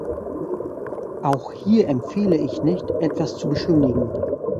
Auch hier empfehle ich nicht, etwas zu beschönigen.